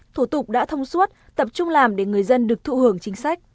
thủ tục đã thông suốt tập trung làm để người dân được thụ hưởng chính sách